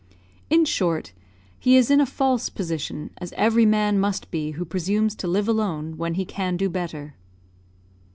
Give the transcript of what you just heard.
In short, he is in a false position, as every man must be who presumes to live alone when he can do better.